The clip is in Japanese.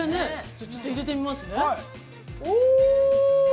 ちょっと入れてみますね。